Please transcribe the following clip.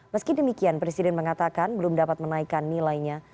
meski demikian presiden mengatakan belum dapat menaikkan nilainya